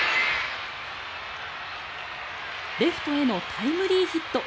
レフトへのタイムリーヒット。